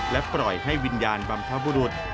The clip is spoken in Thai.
และปล่อยให้วิญญาณบรรพบุรุษ